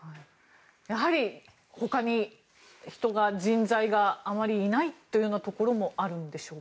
やはりほかに人が、人材があまりいないというようなところもあるんでしょうか。